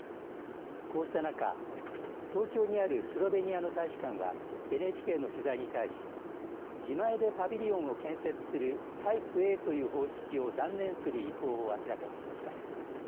こうした中、東京にあるスロベニアの大使館はＮＨＫの取材に対し自前でパビリオンを建設するタイプＡという方式を断念する意向を明らかにしました。